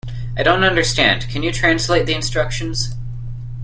I don't understand; can you translate the instructions?